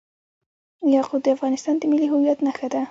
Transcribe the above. یاقوت د افغانستان د ملي هویت نښه ده.